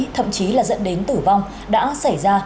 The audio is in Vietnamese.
thậm chí là dẫn đến tử vong đã xảy ra